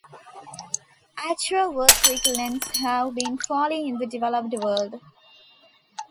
Actual workweek lengths have been falling in the developed world.